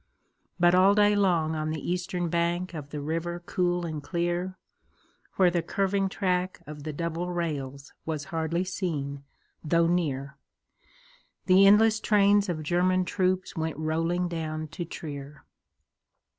But all day long on the eastern bank Of the river cool and clear, Where the curving track of the double rails Was hardly seen though near, The endless trains of German troops Went rolling down to Trier.